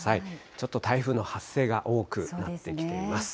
ちょっと台風の発生が多くなってきています。